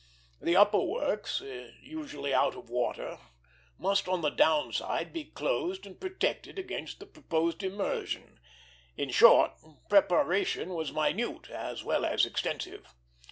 The upper works, usually out of water, must on the down side be closed and protected against the proposed immersion. In short, preparation was minute as well as extensive.